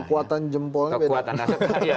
kekuatan jempolnya beda